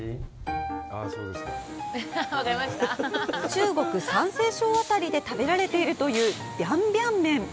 中国・山西省辺りで食べられているというビャンビャン麺。